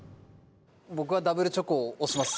僕はダブルチョコを推します。